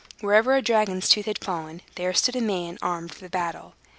Wherever a dragon's tooth had fallen, there stood a man armed for battle.